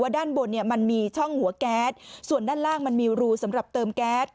ด้านบนเนี่ยมันมีช่องหัวแก๊สส่วนด้านล่างมันมีรูสำหรับเติมแก๊ส